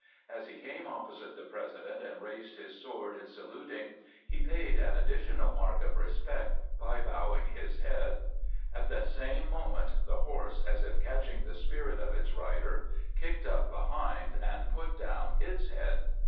As he came opposite the Presi dent and raised his sword in saluting, he paid an addi tional mark of respect by bowing his head. At the same moment the horse, as if catching the spirit of its rider, THE GRAND EEVIEW AT WASHINGTON 509 kicked up behind and put down its head.